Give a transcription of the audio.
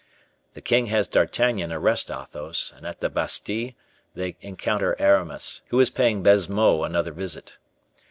The king has D'Artagnan arrest Athos, and at the Bastile they encounter Aramis, who is paying Baisemeaux another visit.